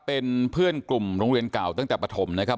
เป็นเพื่อนกลุ่มโรงเรียนเก่าตั้งแต่ปฐมนะครับ